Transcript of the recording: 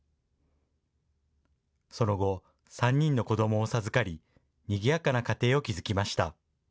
その後、３人の子どもを授かり、にぎやかな家庭を築きました。